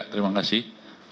ya terima kasih